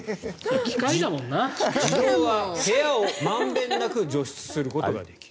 自動は部屋をまんべんなく除湿することができる。